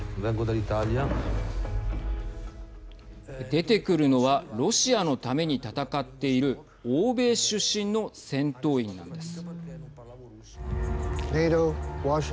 出てくるのはロシアのために戦っている欧米出身の戦闘員なんです。